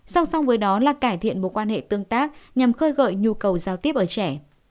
song song với đó là cải thiện mối quan hệ tương tác nhằm khơi gợi nhu cầu giao tiếp ở trẻ